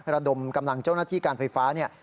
ระดมกำลังเจ้าหน้าที่การไฟฟ้าเนี่ย